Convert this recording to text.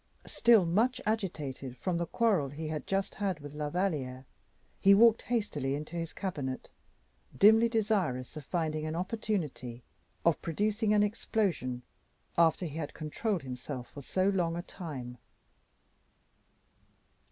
Still much agitated from the quarrel he had just had with La Valliere, he walked hastily into his cabinet, dimly desirous of finding an opportunity of producing an explosion after he had controlled himself for so long a time.